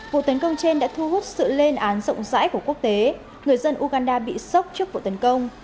vụ tấn công trên đã thu hút sự lên án rộng rãi của quốc tế người dân uganda bị sốc trước vụ tấn công